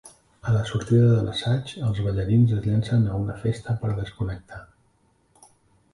A la sortida de l'assaig, els ballarins es llancen a una festa per desconnectar.